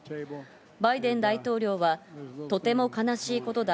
バイデン大統領はとても悲しいことだ。